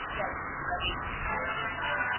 که قانون وي نو نظم به وي.